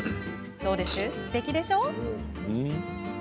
どうです、すてきでしょう？